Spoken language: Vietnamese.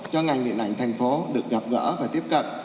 cho ngành điện ảnh thành phố được gặp gỡ và tiếp cận